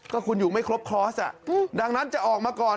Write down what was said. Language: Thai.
ก็คุณอยู่ไม่ครบคอร์สดังนั้นจะออกมาก่อน